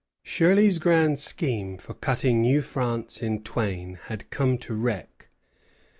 Shirley's grand scheme for cutting New France in twain had come to wreck.